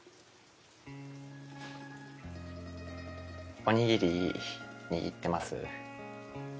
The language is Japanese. おにぎり握ってます？